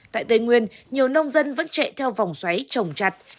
tại tây nguyên nhiều nông dân vẫn chạy theo vòng xoáy trồng chặt